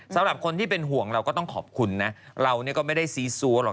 สำหรับคนที่เป็นห่วงเราก็ต้องขอบคุณนะเราก็ไม่ได้ซีซัวหรอก